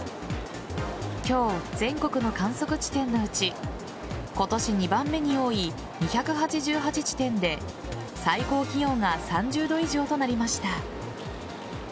今日、全国の観測地点のうち今年２番目に多い２８８地点で最高気温が３０度以上となりました。